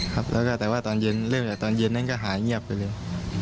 ครับแล้วก็แต่ว่าตอนเย็นเริ่มจากตอนเย็นนั้นก็หายเงียบไปเลย